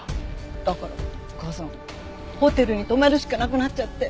だから母さんホテルに泊まるしかなくなっちゃって。